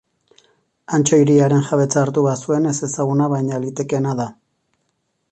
Antso hiriaren jabetza hartu bazuen ezezaguna baina litekeena da.